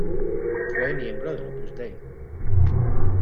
Fue miembro del Opus Dei.